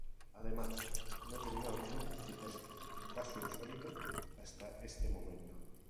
Además, no tenía origen principesco, caso insólito hasta este momento.